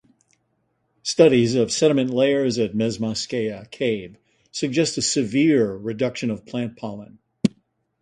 Studies of sediment layers at Mezmaiskaya Cave suggest a severe reduction of plant pollen.